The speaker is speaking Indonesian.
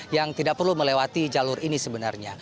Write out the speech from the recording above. yang tidak perlu melewati jalur ini sebenarnya